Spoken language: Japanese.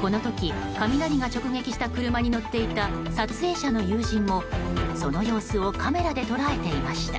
この時、雷が直撃した車に乗っていた撮影者の友人もその様子をカメラで捉えていました。